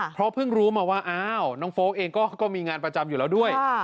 เพราะเพิ่งรู้มาว่าอ้าวน้องโฟลกเองก็มีงานประจำอยู่แล้วด้วย